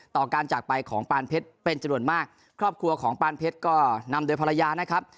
ต่อการจากไปของปานเพชรเป็นจำนวนมากครอบครัวของปานเพชรก็นำโดยภรรยานะครับ